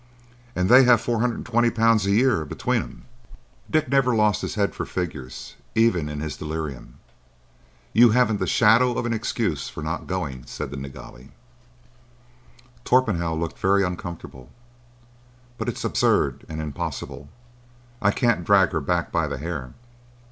"And they have four hundred and twenty pounds a year between 'em. Dick never lost his head for figures, even in his delirium. You haven't the shadow of an excuse for not going," said the Nilghai. Torpenhow looked very uncomfortable. "But it's absurd and impossible. I can't drag her back by the hair."